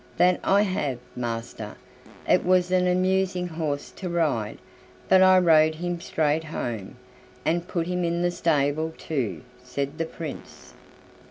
"That I have, master; it was an amusing horse to ride, but I rode him straight home, and put him in the stable too," said the Prince.